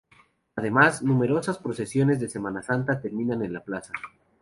Además, numerosas procesiones de Semana Santa terminan en la plaza.